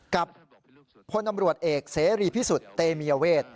กับพลตำรวจเอกเสรีพิสุทธิ์เตมียเวท